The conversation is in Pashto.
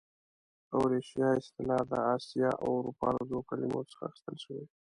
اوریشیا اصطلاح د اسیا او اروپا له دوو کلمو څخه اخیستل شوې.